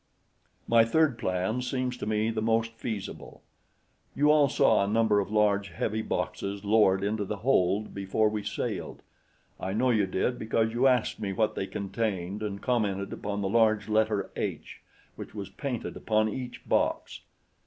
"My third plan seems to me the most feasible. You all saw a number of large, heavy boxes lowered into the hold before we sailed. I know you did, because you asked me what they contained and commented upon the large letter 'H' which was painted upon each box.